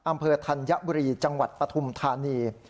อำเภอธัญบุรีจังหวัดปฐุมธานี